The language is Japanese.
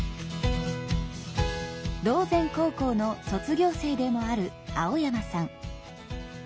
島前高校の卒業生でもある青山さん。